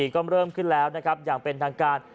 ก็เริ่มขึ้นแล้วนะครับอย่างเป็นทางการ